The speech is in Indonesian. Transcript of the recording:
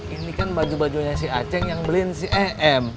ini kan baju bajunya si aceh yang beliin si em